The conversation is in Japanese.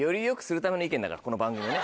この番組をね。